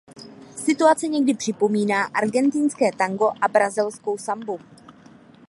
Situace někdy připomíná argentinské tango a brazilskou sambu.